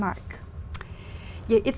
các thông tin